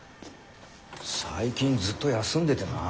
最近ずっと休んでてな。